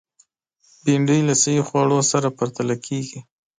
بېنډۍ له صحي خوړو سره پرتله کېږي